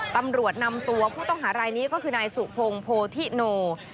ตำรวจนำตัวผู้ต้องหารายนี้ก็คือนายสุพงโพธิโน